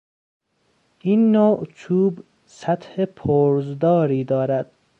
این نوع چوب سطح پرزداری دارد.